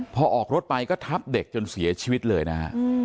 พอออกรถไปก็ทับเด็กจนเสียชีวิตเลยนะฮะ